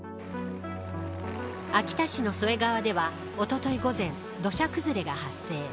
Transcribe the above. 秋田市の添川ではおととい午前土砂崩れが発生。